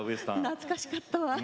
懐かしかったわ。